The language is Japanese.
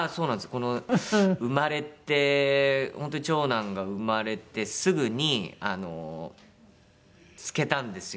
この生まれて本当に長男が生まれてすぐに漬けたんですよ